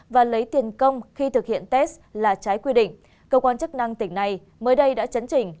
và lấy tiền công khi thực hiện test là trái quy định cơ quan chức năng tỉnh này mới đây đã chấn chỉnh